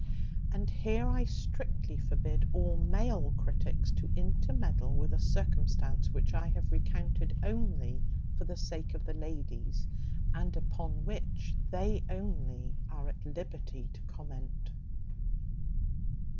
And here I strictly forbid all male critics to intermeddle with a circumstance which I have recounted only for the sake of the ladies, and upon which they only are at liberty to comment.